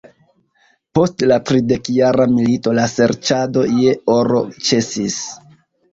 Post la Tridekjara milito la serĉado je oro ĉesis.